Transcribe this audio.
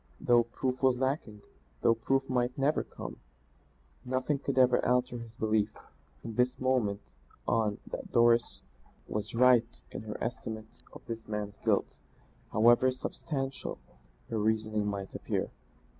Though proof was lacking, though proof might never come, nothing could ever alter his belief from this moment on that Doris was right in her estimate of this man's guilt, however unsubstantial her reasoning might appear.